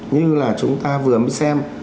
như là chúng ta vừa mới xem